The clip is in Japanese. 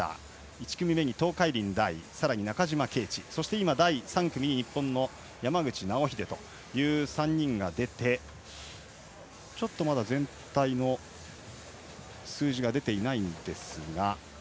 １組目に東海林大、中島啓智そして第３組に日本の山口尚秀という３人が出てまだ全体の数字が出ていないんですが。